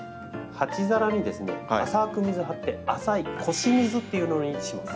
鉢皿にですね浅く水張って浅い「腰水」っていうのにします。